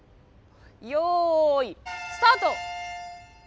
よいスタート！